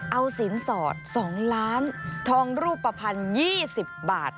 เอาสินสอด๒ล้านทองรูปภัณฑ์๒๐บาท